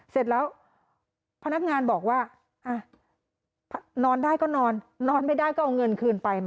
เสร็จแล้วพนักงานบอกว่านอนได้ก็นอนนอนไม่ได้ก็เอาเงินคืนไป